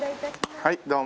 はいどうも。